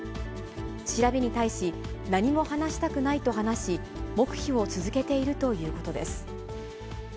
調べに対し、何も話したくないと話し、黙秘を続けているということです。